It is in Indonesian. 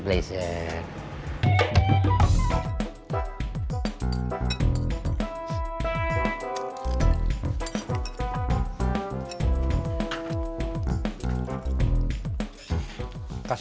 menjadi seperti ituk penjara